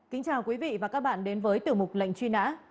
kính chào quý vị và các bạn đến với tiểu mục lệnh truy nã